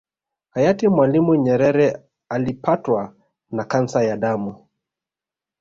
Hayati Mwalimu Nyerere Alipatwa na kansa ya damu